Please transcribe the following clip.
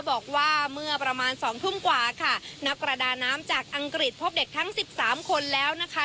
บอกว่าเมื่อประมาณสองทุ่มกว่าค่ะนักประดาน้ำจากอังกฤษพบเด็กทั้งสิบสามคนแล้วนะคะ